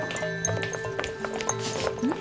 うん？